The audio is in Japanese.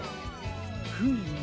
フーム。